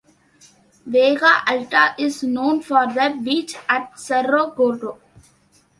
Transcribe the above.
Vega Alta is known for the beach at Cerro Gordo.